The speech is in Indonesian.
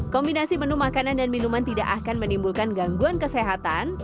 kombinasi menu makanan dan minuman tidak akan menimbulkan gangguan kesehatan